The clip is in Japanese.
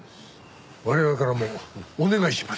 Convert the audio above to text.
我々からもお願いします。